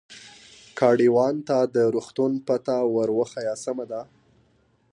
ګاډیوان ته د روغتون پته ور وښیه، سمه ده.